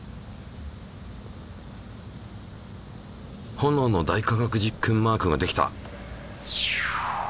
炎の「大科学実験」マークができた！